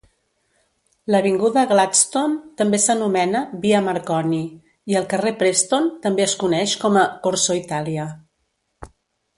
L'avinguda Gladstone també s'anomena "Via Marconi" i el carrer Preston també es coneix com a "Corso Italia".